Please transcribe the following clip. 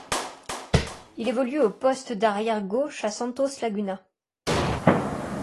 Il évolue au poste d'arrière gauche à Santos Laguna.